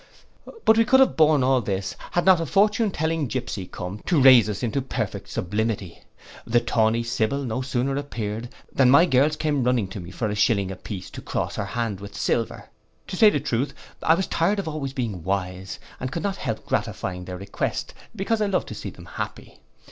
But we could have borne all this, had not a fortune telling gypsey come to raise us into perfect sublimity. The tawny sybil no sooner appeared, than my girls came running to me for a shilling a piece to cross her hand with silver. To say the truth, I was tired of being always wise, and could not help gratifying their request, because I loved to see them happy.